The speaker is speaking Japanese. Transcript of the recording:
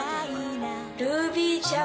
ルビーちゃん